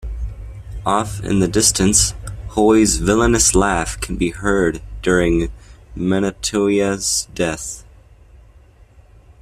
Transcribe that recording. Off in the distance, Hoi's villainous laugh can be heard during Minotia's death.